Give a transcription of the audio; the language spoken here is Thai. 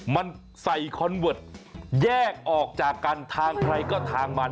มันใส่คอนเวิร์ตแยกออกจากกันทางใครก็ทางมัน